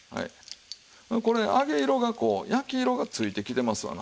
これ揚げ色がこう焼き色がついてきてますわな。